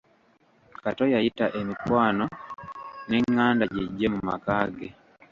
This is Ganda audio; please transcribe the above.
Kato yayita emikwano n'enganda gijje mu maka ge.